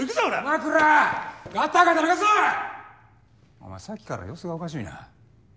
お前さっきから様子がおかしいな。